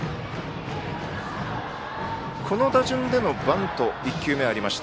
この打順でのバント１球目ありました。